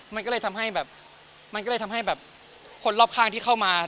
มันก็เลยทำให้คนรอบข้างที่เข้ามา